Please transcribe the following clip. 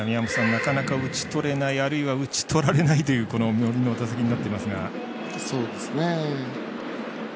なかなか打ちとれないあるいは打ちとられないという打席になっていますが。